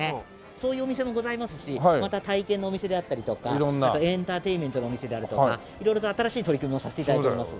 そういうお店もございますしまた体験のお店であったりとかエンターテインメントのお店であるとか色々と新しい取り組みをさせて頂いております。